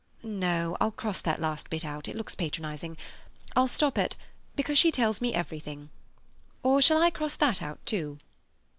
No, I'll cross that last bit out—it looks patronizing. I'll stop at 'because she tells me everything.' Or shall I cross that out, too?"